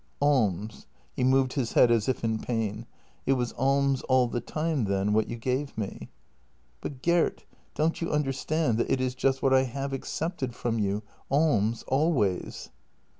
" Alms." He moved his head as if in pain. " It was alms all the time, then — what you gave me." " But, Gert, don't you understand that it is just what I have accepted from you — alms — always?"